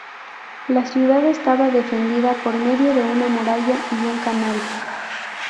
La ciudad estaba defendida por medio de una muralla y un canal.